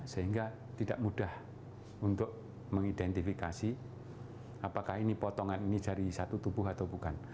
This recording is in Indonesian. sehingga tidak mudah untuk mengidentifikasi apakah ini potongan ini dari satu tubuh atau bukan